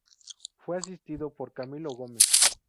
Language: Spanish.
Fue asistido por Camilo Gómez.